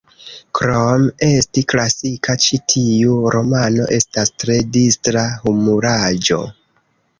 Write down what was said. Krom esti klasika, ĉi tiu romano estas tre distra humuraĵo.